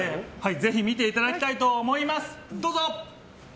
ぜひ見ていただきたいと思います。